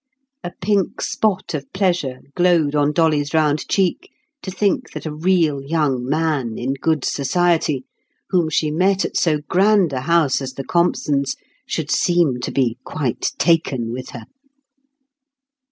A pink spot of pleasure glowed on Dolly's round cheek to think that a real young man, in good society, whom she met at so grand a house as the Compsons', should seem to be quite taken with her.